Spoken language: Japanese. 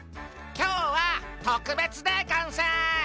きょうはとくべつでゴンス。